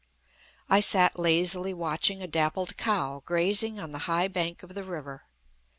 I sat lazily watching a dappled cow grazing on the high bank of the river.